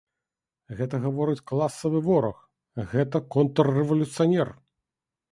Гэта гаворыць класавы вораг, гэта контррэвалюцыянер!